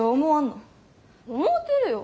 思うてるよ。